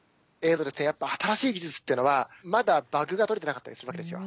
やっぱ新しい技術っていうのはまだバグが取れてなかったりするわけですよ。